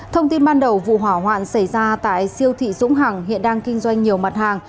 thông tin ban đầu vụ hỏa hoạn xảy ra tại siêu thị dũng hằng hiện đang kinh doanh nhiều mặt hàng